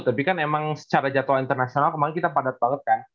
tapi kan emang secara jadwal internasional kemarin kita padat banget kan